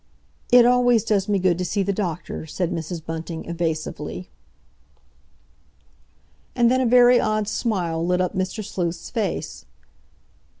"It always does me good to see the doctor," said Mrs. Bunting evasively. And then a very odd smile lit up Mr. Sleuth's face.